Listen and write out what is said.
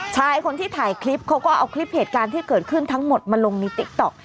ชายคนที่ถ่ายคลิปเขาก็เอาคลิปเหตุการณ์ที่เกิดขึ้นทั้งหมดมาลงในติ๊กต๊อก